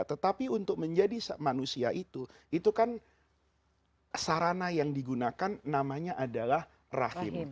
tetapi untuk menjadi manusia itu itu kan sarana yang digunakan namanya adalah rahim